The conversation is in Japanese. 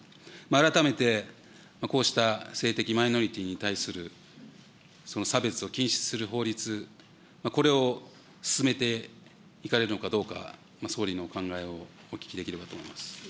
改めてこうした性的マイノリティーに対する差別を禁止する法律、これを進めていかれるのかどうか、総理のお考えをお聞きできればと思います。